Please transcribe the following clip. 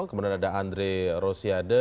kemudian ada andre rosiade